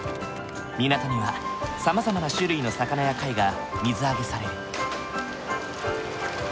港にはさまざまな種類の魚や貝が水揚げされる。